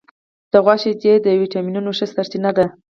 د غوا شیدې د وټامینونو ښه سرچینه ده.